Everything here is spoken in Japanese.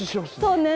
そうね